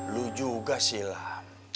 lu juga sih lam